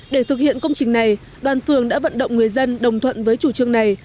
để thực hiện công trình này đoàn phường đã vận động người dân đồng thuận với chủ trương này